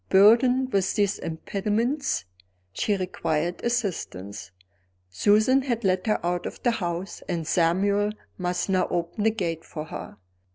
Burdened with these impediments, she required assistance. Susan had let her out of the house; and Samuel must now open the gate for her.